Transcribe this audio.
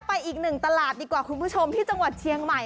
อีกหนึ่งตลาดดีกว่าคุณผู้ชมที่จังหวัดเชียงใหม่